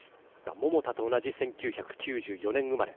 桃田と同じ１９９４年生まれ。